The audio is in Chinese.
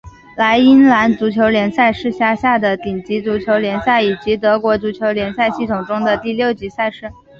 莱茵兰足球联赛是辖下的顶级足球联赛以及德国足球联赛系统中的第六级赛事。